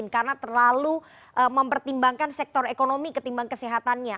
karena terlalu mempertimbangkan sektor ekonomi ketimbang kesehatannya